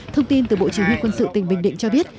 thông tin từ bộ chủ nghĩa quân sự tỉnh bình định cho biết